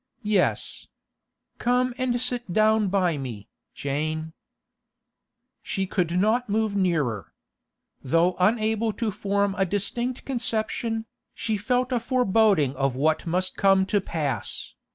'Yes. Come and sit down by me, Jane.' She could not move nearer. Though unable to form a distinct conception, she felt a foreboding of what must come to pass.